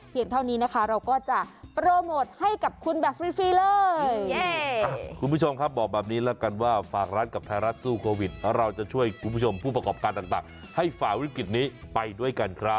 เท่านี้นะคะเราก็จะโปรโมทให้กับคุณแบบฟรีเลย